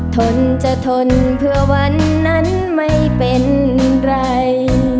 ทนจะทนเพื่อวันนั้นไม่เป็นไร